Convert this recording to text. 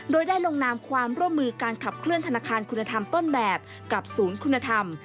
โดยได้ลงนามความร่วมมือการขับเคลื่อนธนาคารคุณธรรมต้นแบบกับศูนย์คุณธรรม